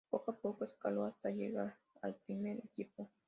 Poco a poco escaló hasta llegar al primer equipo.